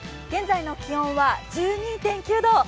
現在の気温は１２．９度。